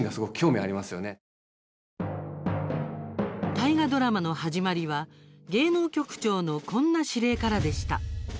大河ドラマの始まりは芸能局長のこんな司令からでした。